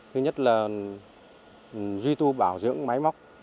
thứ nhất là duy tu bảo dưỡng máy móc